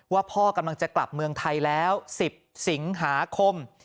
ว่าพ่อกำลังจะกลับเมืองไทยแล้ว๑๐สิงหาคม